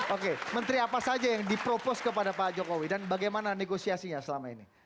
oke menteri apa saja yang dipropos kepada pak jokowi dan bagaimana negosiasinya selama ini